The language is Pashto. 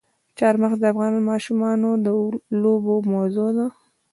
چار مغز د افغان ماشومانو د لوبو موضوع ده.